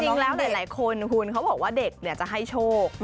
จริงแล้วหลายคนคุณเขาบอกว่าเด็กจะให้โชค